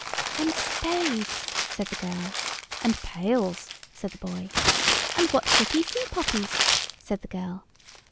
"And spades!" said the girl. "And pails!" said the boy. "And what pretty sea poppies," said the girl.